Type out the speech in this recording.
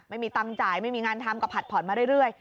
ไม่มีตังค์จ่ายไม่มีงานทำก็ผัดผ่อนมาเรื่อย